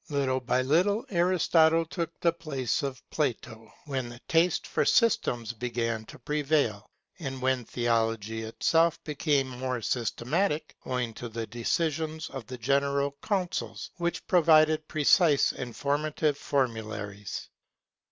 Little by little Aristotle took the place of Plato, when the taste for systems began to prevail, and when theology itself became more systematic, owing to the decisions of the General Councils, which provided precise and positive formularies.